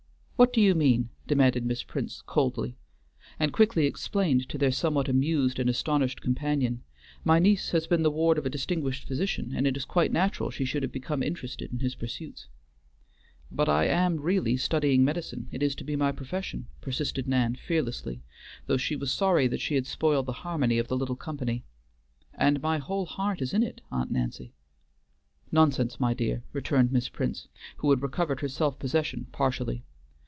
"What do you mean?" demanded Miss Prince, coldly, and quickly explained to their somewhat amused and astonished companion, "My niece has been the ward of a distinguished physician, and it is quite natural she should have become interested in his pursuits." "But I am really studying medicine; it is to be my profession," persisted Nan fearlessly, though she was sorry that she had spoiled the harmony of the little company. "And my whole heart is in it, Aunt Nancy." "Nonsense, my dear," returned Miss Prince, who had recovered her self possession partially.